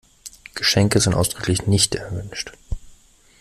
Geschenke sind ausdrücklich nicht erwünscht.